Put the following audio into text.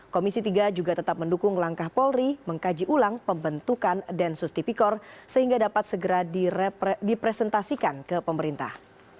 komisi tiga juga tetap mendukung langkah polri mengkaji ulang pembentukan densus tipikor sehingga dapat segera dipresentasikan ke pemerintah